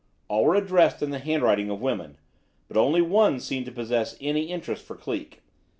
All were addressed in the handwriting of women, but only one seemed to possess any interest for Cleek.